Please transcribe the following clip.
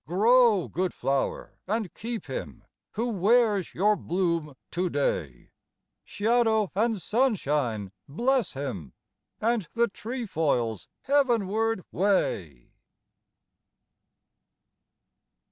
Grow, good flower, and keep him Who wears your bloom today, Shadow and sunshine bless him, And the trefoil's heavenward way.